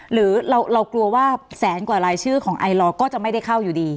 หรือเรากลัวว่าแสนกว่ารายชื่อของไอลอร์ก็จะไม่ได้เข้าอยู่ดี